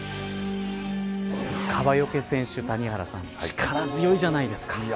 川除選手、谷原さん力強いじゃないですか。